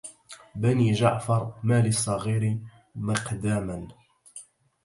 بني جعفر ما للصغير مقدما